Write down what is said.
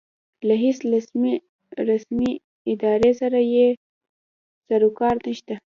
له هېڅ رسمې ادارې سره یې سروکار نشته.